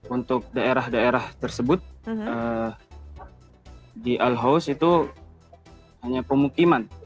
untuk daerah daerah tersebut di al house itu hanya pemukiman